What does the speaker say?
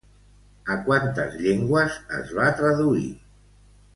A quantes llengües es va traduir?